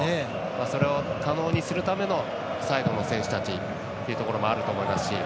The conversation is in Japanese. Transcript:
それを可能にするためのサイドの選手たちというところもあると思いますし。